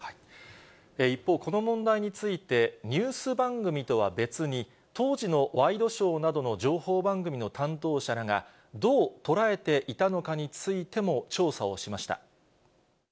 一方、この問題について、ニュース番組とは別に、当時のワイドショーなどの情報番組の担当者らが、どう捉えていたのかについても調査をしました。